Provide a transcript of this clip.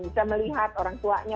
bisa melihat orang tuanya